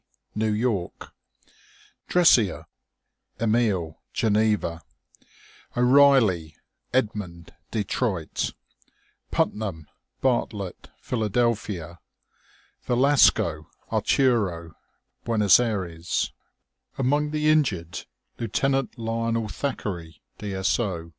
New York Dressier, Emil Geneva O'Reilly, Edmund Detroit Putnam, Bartlett Philadelphia Velasco, Arturo Buenos Aires Among the injured, Lieutenant Lionel Thackeray, D.S.O.